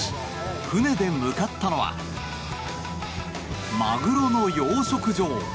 船で向かったのはマグロの養殖場。